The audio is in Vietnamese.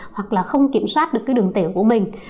hoặc là không kiểm soát được cái đường tẻ của mình